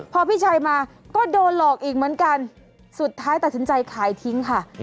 พอพี่ชัยมาก็โดนหลอกอีกเหมือนกันสุดท้ายตัดสินใจขายทิ้งค่ะ